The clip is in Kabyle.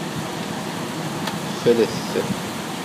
Ffret!